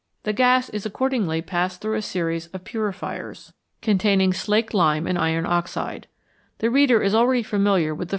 The gas is accordingly passed through a series of purifiers, 145 K MORE ABOUT FUEL containing slaked lime and iron oxide. The reader is already familiar with the.